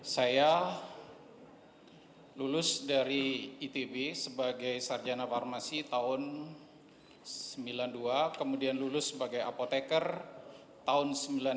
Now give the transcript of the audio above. saya lulus dari itb sebagai sarjana farmasi tahun seribu sembilan ratus sembilan puluh dua kemudian lulus sebagai apoteker tahun seribu sembilan ratus sembilan puluh